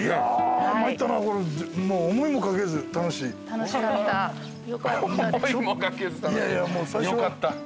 「思いもかけず楽しい」よかった。